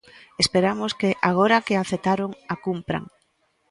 Esperamos que, agora que a aceptaron, a cumpran.